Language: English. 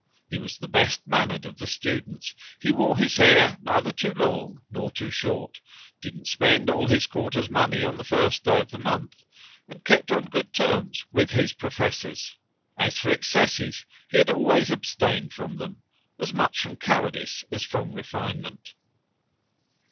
He was the best mannered of the students; he wore his hair neither too long nor too short, didn't spend all his quarter's money on the first day of the month, and kept on good terms with his professors. As for excesses, he had always abstained from them, as much from cowardice as from refinement.